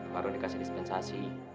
pak ardun dikasih dispensasi